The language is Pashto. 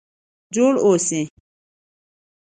جوړ اوسئ؟